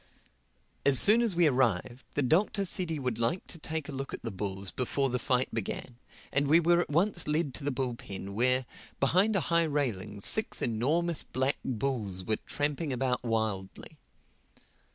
As soon as we arrived the Doctor said he would like to take a look at the bulls before the fight began; and we were at once led to the bull pen where, behind a high railing, six enormous black bulls were tramping around wildly.